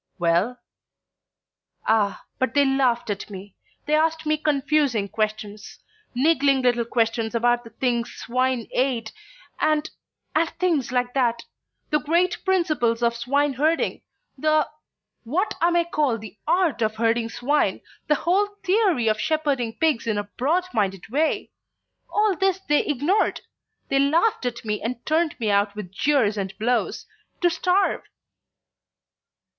"Well?" "Ah, but they laughed at me. They asked me confusing questions; niggling little questions about the things swine ate and and things like that. The great principles of swineherding, the what I may call the art of herding swine, the whole theory of shepherding pigs in a broad minded way, all this they ignored. They laughed at me and turned me out with jeers and blows to starve."